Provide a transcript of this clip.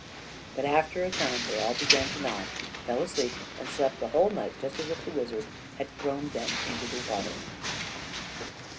But after a time they all began to nod, fell asleep, and slept the whole night, just as if the wizard had thrown them into the water.